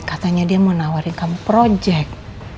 katanya dia mau nawarin kamu projek